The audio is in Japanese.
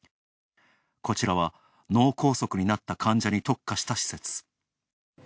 こちらは、脳梗塞になった患者に特化した施設。